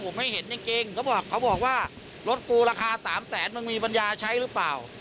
ผมไม่เห็นจริงเขาบอกเขาบอกว่ารถกูราคาสามแสนมึงมีปัญญาใช้หรือเปล่า